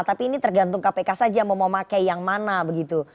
tapi ini tergantung kpk saja mau memakai yang mana begitu